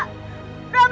luh di sekatan pebri